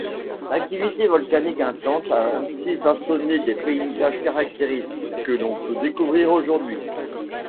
L'activité volcanique intense a ainsi façonné des paysages caractéristiques que l’on peut découvrir aujourd’hui.